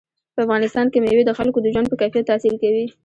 په افغانستان کې مېوې د خلکو د ژوند په کیفیت تاثیر کوي.